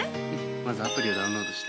まずアプリをダウンロードして。